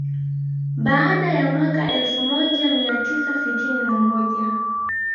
Baada ya mwaka elfu moja mia tisa sitini na moja